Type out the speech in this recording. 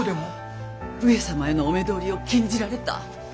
上様へのお目通りを禁じられた。